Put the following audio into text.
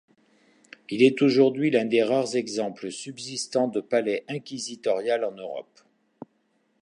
Il est aujourd'hui l'un des rares exemples subsistant de palais inquisitorial en Europe.